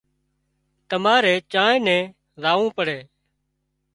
تماري چانئين نين زاوون پڙي